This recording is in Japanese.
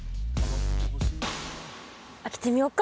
開けてみようか？